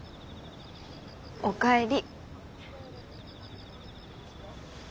お帰り。